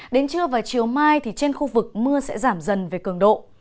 đến trưa và chiều mai thì trên khu vực mưa sẽ giảm dần về cường độ